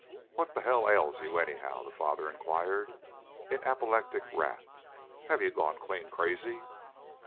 "What the hell ails you, anyhow?" the father inquired, in apoplectic wrath. "Have you gone clean crazy?"